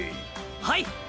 はい！